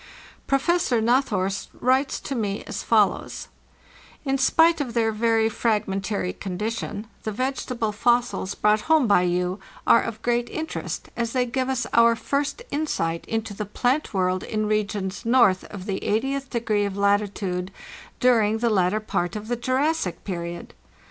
Professor Nathorst writes to me as follows: "In spite of their very fragmentary condition the vegetable fossils brought home by you are of great interest, as they give us our first insight into the plant world in regions north of the eightieth degree of latitude during the latter part of the Jurassic period.